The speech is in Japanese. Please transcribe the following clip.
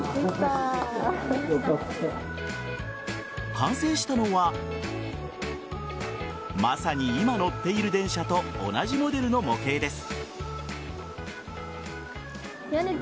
完成したのはまさに今乗っている電車と同じモデルの模型です。